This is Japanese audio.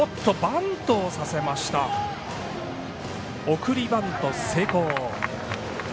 送りバント成功。